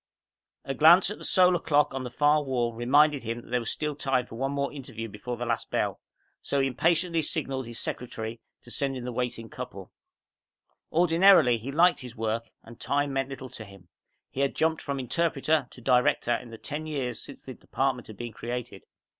A glance at the solar clock on the far wall reminded him there was still time for one more interview before the last bell, so he impatiently signaled his secretary to send in the waiting couple. Ordinarily, he liked his work and time meant little to him. He had jumped from interpreter to director in the ten years since the department had been created.